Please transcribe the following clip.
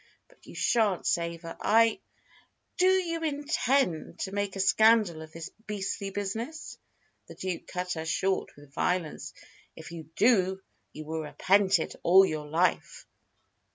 But you shan't save her! I " "Do you intend to make a scandal of this beastly business?" the Duke cut her short with violence. "If you do, you will repent it all your life."